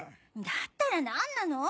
⁉だったら何なの？